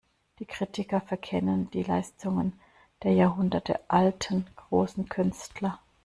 Die Kritiker verkennen die Leistungen der jahrhundertealten, großen Künstler.